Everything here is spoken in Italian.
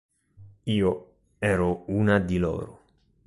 Io ero una di loro".